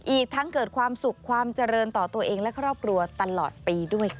อีกทั้งเกิดความสุขความเจริญต่อตัวเองและครอบครัวตลอดปีด้วยค่ะ